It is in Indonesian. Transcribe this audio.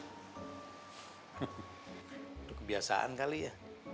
itu kebiasaan kali ya